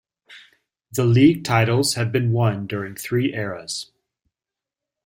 The league titles have been won during three eras.